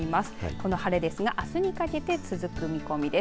この晴れはあすにかけて続く見込みです。